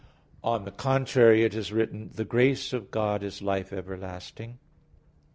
On the contrary, It is written: "The grace of God is life everlasting" (Rom.